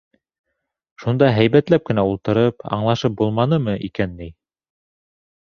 Шунда һәйбәтләп кенә ултырып аңлашып булманымы икән ни?..